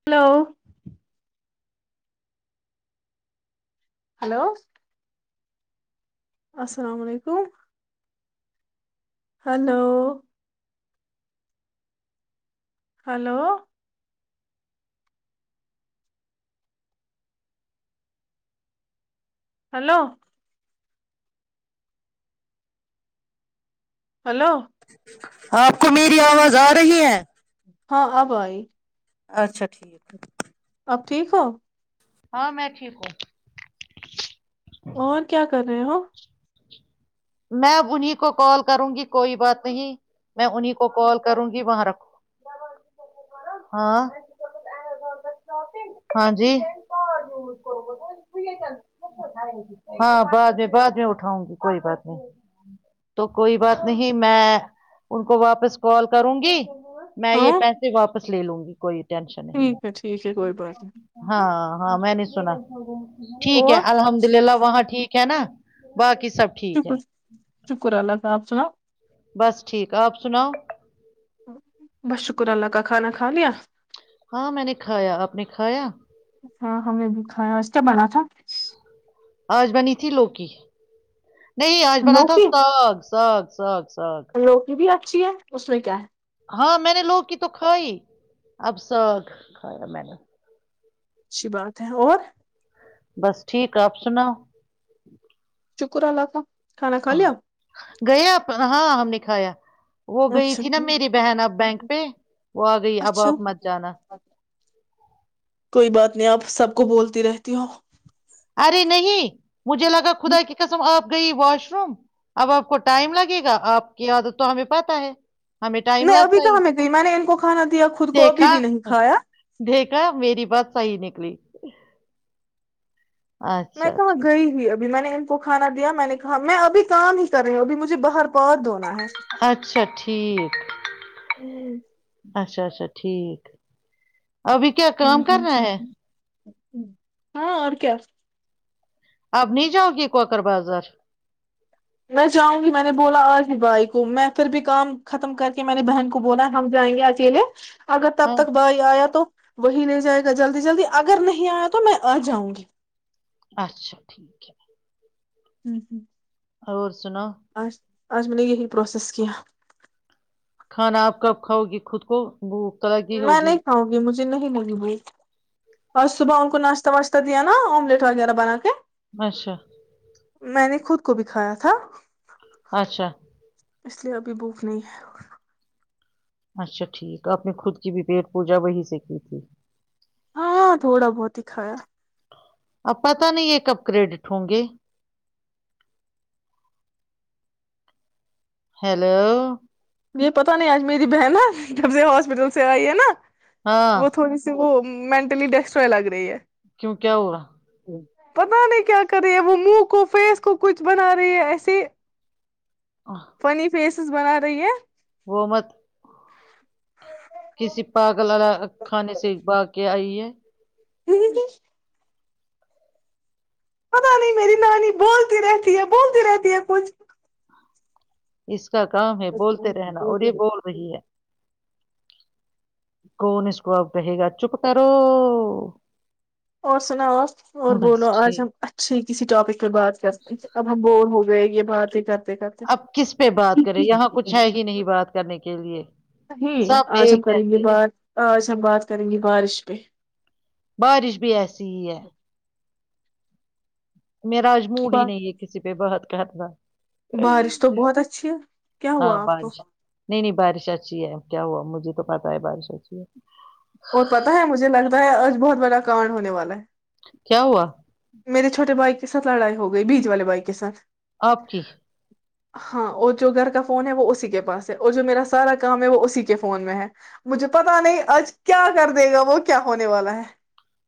Hello [unintelligible] hello [unintelligible] السلام علیکم [unintelligible] hello [unintelligible] hello hello hello آپ [unintelligible] کو میری آواز آ رہی ہے [unintelligible] ہاں ابھائی اچھا ٹھیک [unintelligible] اب ٹھیک ہو [unintelligible] ہاں میں ٹھیک ہوں [unintelligible] اور کیا کر رہے ہو میں ا انہیں کو کال کروں گی کوئی بات نہیں میں انہیں کو کال کروں گی وہاں رکھو ہاں ہاں جی ہاں بعد میں بعد میں اٹھاؤں گی کوئی بات نہیں تو کوئی بات نہیں میں ان کو واپس کال کروں گی میں یہ ہاں پیسے واپس لے لوں گی کوئی ٹینشن نہیں ٹھیک ہے ٹھیک کوئی بات نہیں ہاں ہاں میں نہیں سنا ٹھیک ہے اور الحمد شکر للہ وہاں ٹھیک ہے نا باقی سب ٹھیک ہے شکر اللہ ت آ آپ سنا بس ٹھیک آپ سناؤ بس شکر اللہ کا خانہ خانیا ہاں میں نے کھایا آپ نے کھایا ہاں ہم نے بھی کھیا و اسے بنا تھا آج بنی تھی لوکی نہیں آج بنا تھا لوکی سگ سگ سچ لوکی بھی آ اچھی ہے اس میں کیا ہے ہاں میں نے لوگ کی تو کھائی اب سگ کھایا میں نے اچھی بات ہے اور بس ٹھیک آپ سناؤ شکر آلہ تھا کھانا کھا لیا گیا ہاں ہم نے کایا وہ گئی اچھا تھی نا میری بہن اب بینک پہ وہ آ گئی اب اچھا آپ مت جانا کوئی بات نہیں آپ سب کو بولتی رہتی ہو ارے نہیں مجھے لگا خدا کی قسم آپ گئی واش روم اب آپ کو ٹائم لگے گا آپ کی عادت تو ہمیں پتا ہے ہمیں ٹائم نہیں ابھی لگتا ہی کہاں میں گئی میں نے ان کو کھانا دیا خود کو ابھی دیکھا بھی نہیں کھایا میری بات صحی نکلی میں اچھا کہ وہاں ٹھیک گئی ہو ا ابھی میں نے ان کو کھانا دیا میں نے کہا میں اب کام ہی کر رہی ہوں اب مجھے باہر پہ دون اچھا ٹھیک اچھا اچھا ٹھیک ابھی کیا کام کرناا ہے ہاں اور کیا اب نہیں جاؤ گی کوکر بازار میں چاہوں گی میں نے بولا آج ہی بھائی کو میں پھر بھی کام ختم کر کے م نے بہن کو بولا ہم جائیں گے اکیلے اگر تب ہاں تک بھائی آیا تو وہی ل جائے گا جلدی جلدی اگر نہیں آیا تو میں آ جاؤں گی اچھا ٹھیک ہے ہوں ہوں اور سناو آج میں نے یہی پررسیس ک کیہ [unintelligible] کھانا آپ کب کھاؤ گی خود کو بوک ل کی میں ہوگی نہیں [unintelligible] کھاؤں گی مجھے نہیں ہوی وہ اور صبح ان کو ناشتہ واشہ دیا نا آملیٹ وغیرہ بنا کے [unintelligible] اچھا میں نے خود کو بھی کھایا تھا اچھا اس لیے ابھی بھوک نہیں ہے اچھا ٹھیک آپ نے خود کی بھی پیٹ پوجا وہی سے کی تھی ہاں تھوڑا بہت ہی کھایا آپ پت نہیں یہ کب کریڈٹ ہوں گے ہیلو یہ پتا نہیں آج میری بہن ہے جب سے ہاسپٹل سے آئی ہے نا ہاں وہ تھوڑی سی وہ مینٹلی ڈیسٹروائے لگ رہی ہے کیوں کیا ہوا پتا نہیں کیا کر رہی ہے وہ منہ کو فیس کو کچھ بنا رہی ہے ایسے آہ، فنی فس سس بان رہے یہ بومت [unintelligible] ہ [unintelligible] پت نہیں میری نانی بولتی رہتی ہے بولتی رہتی ہے کچھ اسس [unintelligible] اا کام ہے بولتے رہنا اور یہ بول کچھ رہی ہے کون اسکاب کہے گا چپ کرو اور سناؤ اور بولو بس آج ٹھیک ہم اچھی کسی ٹپک [unintelligible] بعد بور ہو [unintelligible] وئے گی بات ہی کرتے کرتے اب کس پہ بات کریں یہاں کچھ ہے ہی نہیں بات کرنے کے لیے نہیں سب آج ایک ہم کریں گے جیسے ہیں بات ے ہم بات کریں گے بارش پہ بارش بھی ایسی ہی ہے میرا اج موڈ ہی نہیں ہے کسی پہ بات کہتا بارش تو بہت اچھی ہے کیا ہوا ہاں آپ کو بارش جی تو پتا ہے بارش اچھی ہے اور پتا ہے مجھے میں نے تو آج بہت بڑا کانڈ ہونے والا ہے کیا ہوا میرے چھوٹے بائی کے سات لڑائی ہو گئی بیچ والے بائی کے سھ آپ کی ہاں اور جو گھر کا فون ہے وہ اسی کے پاس ہے اور جو میرا سارا کام ہے وہ اسی کے فون میں ہے مجھے پتا نہیں آج کیا کر دے گا وہ کیا ہونے والا ہے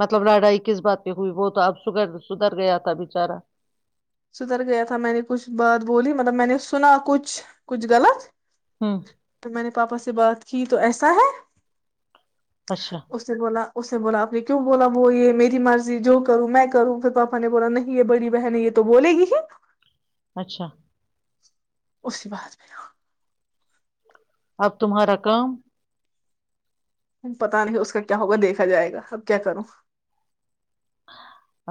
مطلب لڑائی کس بات پہ ہوئی وہ تو اب سدھر سدھر گیا تھا بچارا سدر گیا تھا میں نے کچھ بات بولی مطلب میں نے سنا کچھ کچھ غلط ہوں تو میں نے پاپا سے بات کی تو ایسا ہے اچھا اس نے بولا اس سے بولا آپ نے کیوں بولا وہ یہ میری مرضی جو کروں میں کروں پھر پاپا نے بولا نہیں یہ بڑی بہن ہے یہ تو بولے گی ہی اچھا اسی بعد میں اب تمہارا کام پتا نہیں اس کا کیا ہوگا دیکھا جائے گا اب کیا کروں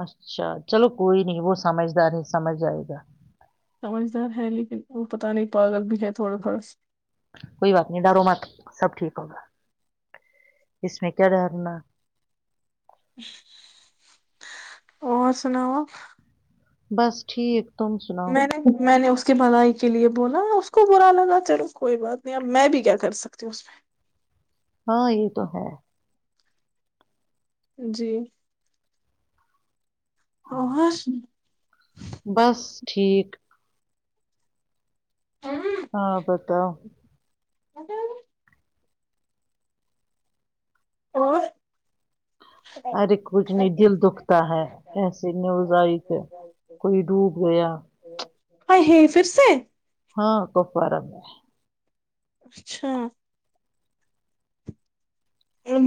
اچھا چلو کوئی نہیں وہ سمجھدار ہے سمجھ جائے گا سمجھدار ہے لیکن وہ پتاہ نہیں پاگل بھی ہے تھوڑا تھوڑا سا کوئی بات نہیں ڈارو مات سب ٹھیک ہوگا اس میں کیا ڈرنا اور سناؤ اپ بس ٹھیک تم سناؤ میں نے میں نے اس کے بھلائی کے لیے بولا اس کو برلا لگا چلو کوئی بات نہیں اب میں بھی کیا کر سکتی ہوں اس میں ہاں یہ تو ہے جی اور بس ٹھیک ہاں بتاو پتا نہیں اور ہر ایک کچھ نہیں دل دکھتا ہے ایسیے نیوز آئی کہ کوئی ڈوب گیا ہح ہے پھر سے ہاں کپوارا میں اچھا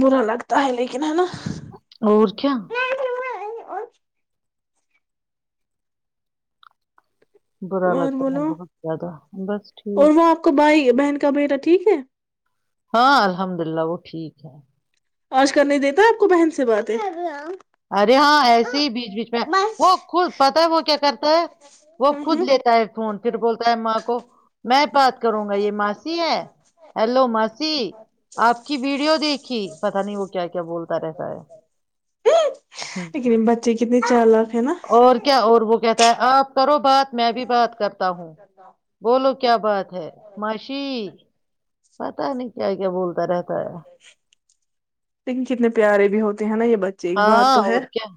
برا لگتا ہے لیکن ہے نا اور کیا اور برا اور لگتا ہے بولو بہت زیادہ بس ٹھیک کبٹا ٹھیک ہے ہاں الحمد للہ وہ ٹھیک ہے آج کرنے دیتا آپ کو بہن سے باتیں ارے ہاں ایسے ہی بیچ بیچ میں وہ خود پتا ہے وہ کیا کرتا ہے وہ خود لیتا ہے فون پھر بولتا ہے ماں کو میں بات کروں گا یہ ماسی ہے ہلو ماسی آپ کی ویڈیو دیکھی پت نہیں وہ کیا کیا بولتا رہتا ہے ہاں لیکن بچے کتنے چال اور کیا اور وہ کہتا ہے آپ کرو بات میں بھی بات کرتا ہوں بولو کیا بات ہے ماشی پتا نہیں کیا کیا بولتا رہتا ہے لیکن کتنے پیارے بھی ہوتے ہیں نا یہ بچے بات ہاں تو ہے اور کیا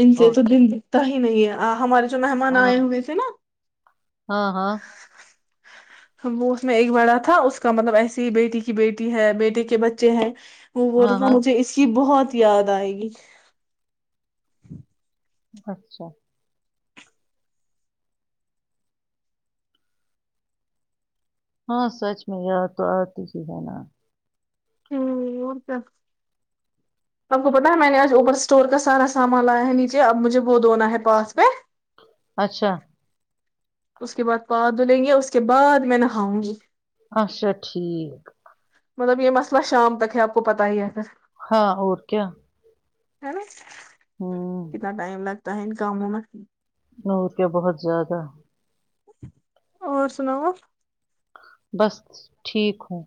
ان سے اور تو کیا دین بی ان سے تو دین بیٹھا حی جو مہمان ہاں آئے ہوئے تھے نا ہاں ہاں وہ اس میں ایک بڑا تھا اس کا مطلب ایسیے ہی بیٹی کی بیٹی ہے بیٹے کے بچے ہیں وہ رہ ہاں تھا ہاں مجھے اس کی بہت بہت یاد آئے گی اچھا ہاں سچ میں یاد تو آتی ہی ہے نا ہ اور کیا آپ کو پتا ہے میں نے آج اوپر اسٹور کا سارا سامان لایا ہے نیچے اب مجھے وہ دنا ہے پاس پ اچھا اس کے بعد پ دھلیں گے اس کے بعد میں نہاؤں گی اچھا ٹھیک مطلب یہ مسئلہ شام تک ہے آپ کو پتاہ ہی ہے پھر ہاں اور کیا ہیں نہ ہمم، کتنا ٹائم لگتا ٹائم کاموں میں ن ر کیا بہت زیادہ اور سناؤ بس ٹھیک ہوں،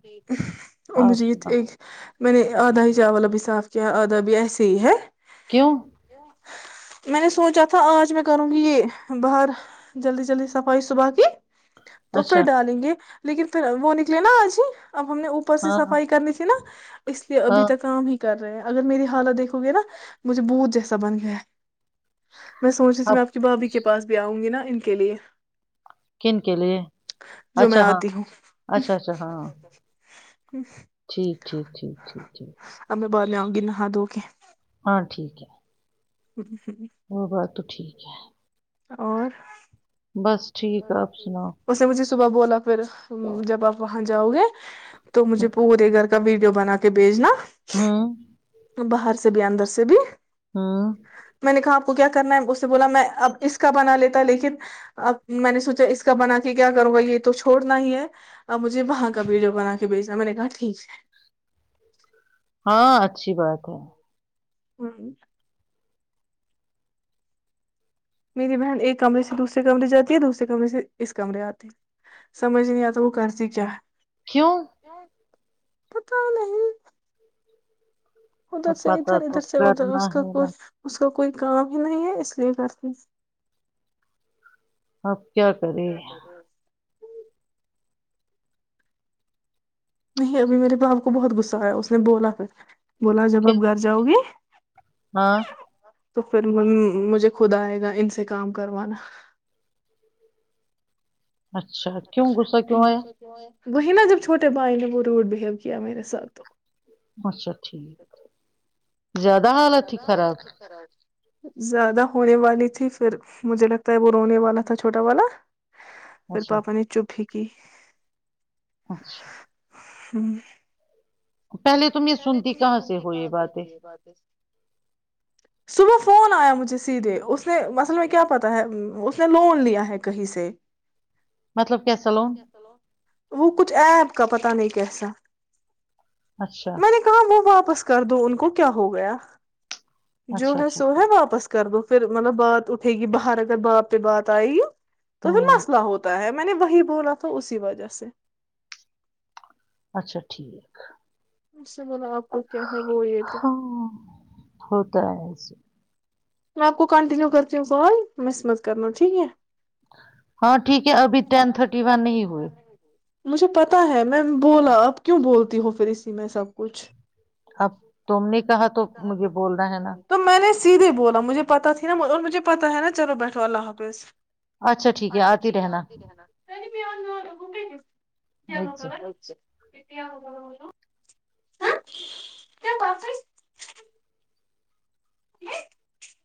ا آپ مجید سناؤ؟ ایک میں نے آدھا ہی چاوا بھی صاف کیا ہے آدھا بھی ایسے ہی ہے کیوں میں نے سوچا تھا آج میں کروں گی باہر جلدی جلدی صفائی صبح کی تو پھر اچھا، ڈالیں گے لیکن پھر وہ نکلے نا آج ہی اب ہم نے اوپر سے ہاں، صفائی کرنی تھی نا اس لیے ابھی ہاں، تک کام ہی کر رہے ہیں اگر میری حالت دیکھو گے نا مجھے بہتھ جیسا بن گیا ہے میں سوچی تی میں اب آپ کی بابھی کے پس بھی آؤںی نا ان کے لیے کن کے لیے جو میں اچھا ہاں آتی ہوں اچھا اچھا ہاں [inaudible] ٹھیک ٹھیک ٹھیک ٹھیک ٹھیک اب میں بعر میں آؤںی نہا دو کے ہاں ٹھیک ہے وہ [inaudible] بات تو ٹھیک ہے اور بس ٹھیک آ آپ سناؤ اس نے مجھے صبح بولا پھر جب آپ وہاں جاؤ گے تو مجھے پورے گھر کا ویڈیو بنا کے بھیجنا ہمم، باہر سے ب بھی اندر سے ب بھی ہاں میں نے کہا آپ کو کیا کرنا ہے اس سے بولا میں اب اس کا بنا لیتا لیکن اب میں نے سوچا اس کا بنا کے کیا کروں گا یہ تو چھوڑنا ہی ہے ا مجھے وہاں کا ویڈیو بنا کے بھیچنا میں نے کہا ٹھیک ہے ہاں اچھی بات ہے ہوں میری بہن ایک کمرے سے دوسرے کمرے جاتی ہے دوسرے کمرے سے اس کمرے آتی ہے سمجھ نہیں آتا وہ کرتی کیا ہے کیوں پتا نہیں ادھر اب سے پتہ ادھر تو ادھر سے ادھر کرنا اس کا ہے نا، کھ تو کوئی کام ہی نہیں ہے اس لیے کرتی آپ کیا کرے نہیں ابھی میرے باپ کو بہت غصہ آیا اس نے بولا پھر بولا جب کیا آپ گھر جاؤ گے ہاں تو پھر مجھے خود آئے گا ان سے کام کروانا اچھا کیوں غصہ کیوں آیا وہی نا جب چھوٹے بھائی نے وہ روڈ بہیو کیا میرے ساتھ تو اچھا ٹھیک زیادہ حالت ہی خراب زیادہ ہونے والی تھی پھر مجھے لگتا ہے وہ رونے والا تھا چھوٹا والا پھر اچھا پاپا نے چپ ہی کی اچھا ہوں پہلے تم یہ سنتی کہاں سے ہو یہ باتیں صبح فون آیا مجھے سیدھے اس نے مصل میں کیا پتا ہے اس نے لون لیا ہے کہیں سے مطلب کیا سلون وہ کچھ ایپ کا پت نہیں کیسا اچھا کہم واپس کر دو ان کو کیا ہو گیا جو اچھا ہے اچھا سو ہے ٹھیک واپس کر دو [inaudible] پھر مطلب بات اٹھے گی باہر اگر باپ پہ بات آئے [inaudible] تو پھر ہوں مسئلہ ہوتا ہے [inaudible] میں نے وہی بولا تھا اسی وجہ سے [inaudible] اچھا ٹھیک [inaudible] اسھ سے بول آپ [inaudible] ہے وہ یہ ہاں ہوتا ہے ایسے [inaudible] میں آ کو کنٹنیو کرتی کال مس مز کرنو ٹھیک ہے [inaudible] ہاں ٹھیک ہے ابھی ٹین تھرٹی ون نہیں ہوئے [inaudible] مجھے پتا ہے میں بولا اب کیوں بولتی ہو پھر اسی میں سب کچھ [inaudible] اب تم نے کہا تو مجھے بولنا ہے نا [inaudible] تو میں نے سیدھے بولتے [inaudible] مجھے پتاہ نا اور مجھے پتا ہے نا چلو بیٹھو اللہ حافظ [inaudible] اچھا ٹھیک ہے اور کی کہنا [inaudible] [inaudible] کیا وہی سے ہو [inaudible] ہوگ بولو کیا بپ [inaudible] [inaudible]